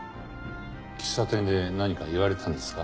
喫茶店で何か言われたんですか？